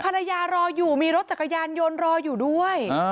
ภรรยารออยู่มีรถจักรยานยนต์รออยู่ด้วยอ่า